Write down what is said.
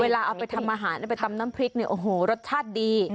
เวลาเอาไปทำอาหารเอาไปตำน้ำพริกเนี่ยโอ้โหรสชาติดี